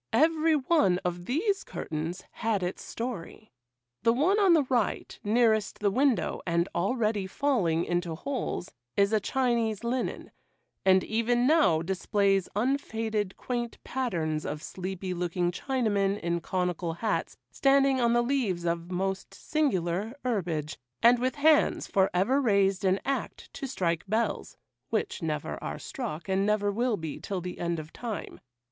Every one of these curtains had its story. The one on the right, nearest the window, and already falling into holes, is a Chinese linen, and even now displays unfaded, quaint patterns of sleepy looking Chinamen, in conical hats, standing on the leaves of most singular herbage, and with hands for ever raised in act to strike bells, which never are struck and never will be till the end of time.